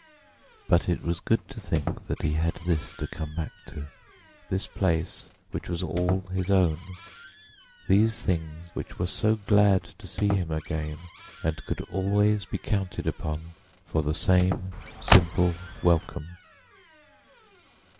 But it was good to think he had this to come back to; this place which was all his own, these things which were so glad to see him again and could always be counted upon for the same simple welcome.